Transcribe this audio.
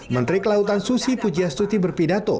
menteri kelautan susi pujiastuti berpidato